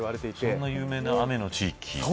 そんな有名な雨の地域。